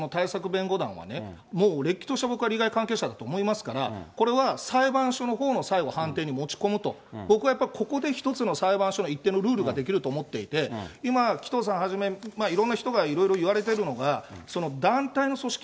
弁護団はね、もうれっきとした、僕は利害関係者だと思いますから、これは、裁判所のほうの最後、判定に持ち込むと、僕は一つのここで裁判所が一定のルールが出来ると思っていて、今、紀藤さんはじめいろんな人がいろいろいわれてるのが、団体の組織